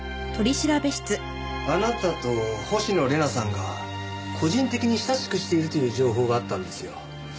あなたと星野玲奈さんが個人的に親しくしているという情報があったんですよ。